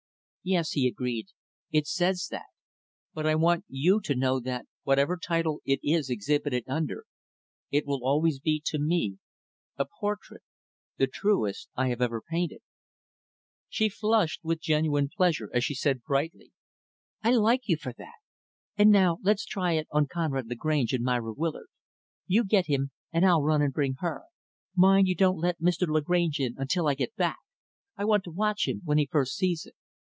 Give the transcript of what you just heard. "Yes," he agreed, "it says that. But I want you to know that, whatever title it is exhibited under, it will always be, to me, a portrait the truest I have ever painted." She flushed with genuine pleasure as she said brightly, "I like you for that. And now let's try it on Conrad Lagrange and Myra Willard. You get him, and I'll run and bring her. Mind you don't let Mr. Lagrange in until I get back! I want to watch him when he first sees it."